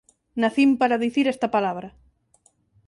Nacín para dicir esta palabra.